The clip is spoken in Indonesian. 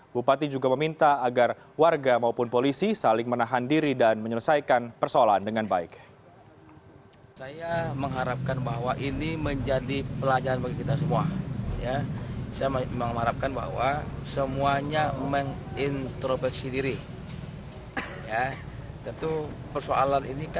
bupati juga meminta agar warga maupun polisi saling menahan diri dan menyelesaikan persoalan dengan baik